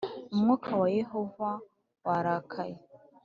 umwuka wa Yehova warakaye